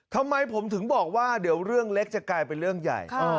ทำไมผมถึงบอกว่าเดี๋ยวเรื่องเล็กจะกลายเป็นเรื่องใหญ่